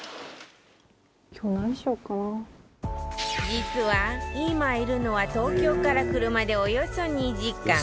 実は、今いるのは東京から車でおよそ２時間。